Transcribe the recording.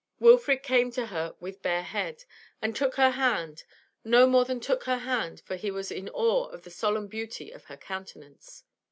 Wilfrid came to her with bare head, and took her hand; no more than took her hand, for he was in awe of the solemn beauty of her countenance.